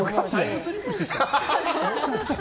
タイムスリップしてきたの？